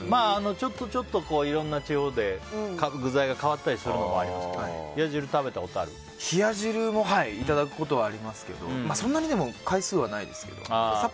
ちょっといろんな地方で各具材が変わったりするのもありますけど冷や汁もいただくことはありますけどそんなに回数はないです。